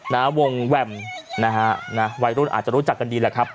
วงแวมนะฮะนะวัยรุ่นอาจจะรู้จักกันดีแหละครับ